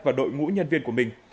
và đội ngũ nhân viên của mình